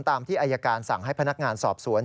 ตามที่อายการสั่งให้พนักงานสอบสวน